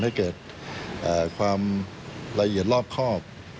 เมื่อเก็บความละเอียดรอบคอบ